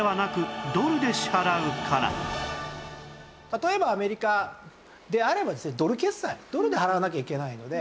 例えばアメリカであればですねドル決済ドルで払わなきゃいけないので。